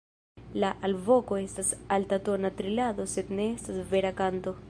La alvoko estas altatona trilado sed ne estas vera kanto.